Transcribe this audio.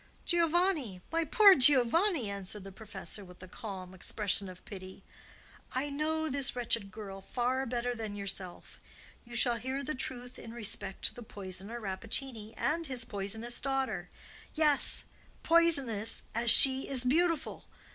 "Giovanni! my poor Giovanni!" answered the professor, with a calm expression of pity, "I know this wretched girl far better than yourself. You shall hear the truth in respect to the poisoner Rappaccini and his poisonous daughter; yes, poisonous as she is beautiful.